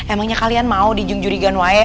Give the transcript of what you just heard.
emangnya kalian mau dijungjuri ganwae